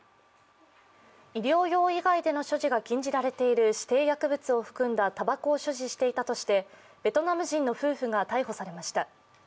医療用以外での所持が禁じられている指定薬物を含んだたばこを所持していたとして、ベトナム人の夫婦が逮捕されました。